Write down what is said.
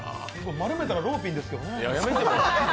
丸めたらローピンですけどね。